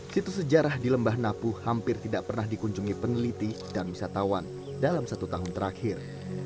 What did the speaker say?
situs sejarah di lembah napu hampir tidak pernah dikunjungi peneliti dan wisatawan dalam satu tahun terakhir